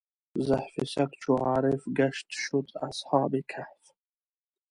زحف سګ چو عارف ګشت شد اصحاب کهف.